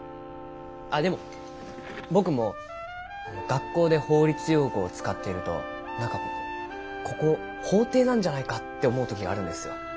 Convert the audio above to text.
あっでも僕も学校で法律用語を使っていると何かここ法廷なんじゃないかって思う時があるんですよ。